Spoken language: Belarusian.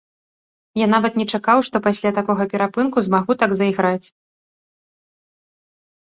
Я нават не чакаў, што пасля такога перапынку змагу так зайграць.